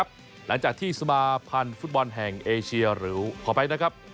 หลังจากที่สมาพันธุ์ฟุตบอลแห่งเอเชียหรือขอไป